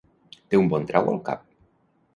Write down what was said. Té un bon trau al cap.